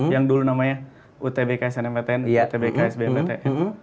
yang dulu namanya utbk snmptn utbk sbmptn